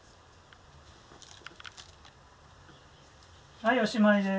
はいおしまいです。